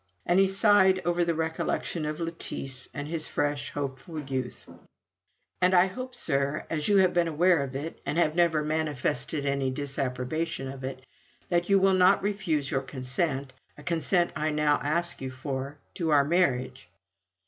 And he sighed over the recollection of Lettice, and his fresh, hopeful youth. "And I hope, sir, as you have been aware of it, and have never manifested any disapprobation of it, that you will not refuse your consent a consent I now ask you for to our marriage."